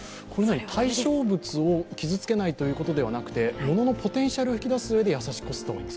対象物を傷つけないということでなくて物のポテンシャルを引き出すうえで優しくこすると？